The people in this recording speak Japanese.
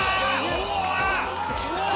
うわ！